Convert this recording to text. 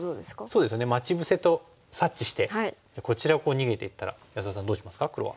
そうですね待ち伏せと察知してこちらを逃げていったら安田さんどうしますか黒は。